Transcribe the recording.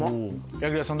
柳楽さん